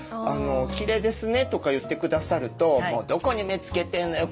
「きれいですね」とか言ってくださると「どこに目つけてんのよ